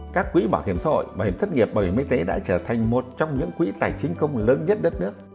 các quỹ bảo hiểm xã hội bảo hiểm thất nghiệp bảo hiểm y tế đã trở thành một trong những quỹ tài chính công lớn nhất đất nước